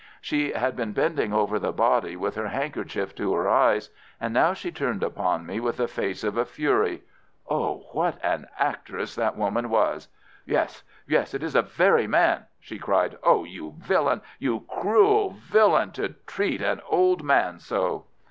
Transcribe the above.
She had been bending over the body, with her handkerchief to her eyes, and now she turned upon me with the face of a fury. Oh, what an actress that woman was! "Yes, yes, it is the very man," she cried. "Oh, you villain, you cruel villain, to treat an old man so!"